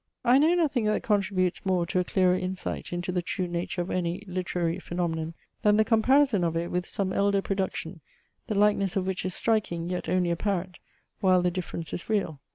I know nothing that contributes more to a clearer insight into the true nature of any literary phaenomenon, than the comparison of it with some elder production, the likeness of which is striking, yet only apparent, while the difference is real.